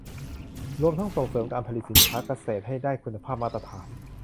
รวมทั้งส่งเสริมการผลิตสินค้าเกษตรให้ได้คุณภาพมาตรฐาน